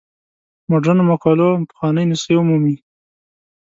مډرنو مقولو پخوانۍ نسخې ومومي.